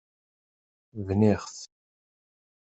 Bniɣ-t.